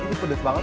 ini pedes banget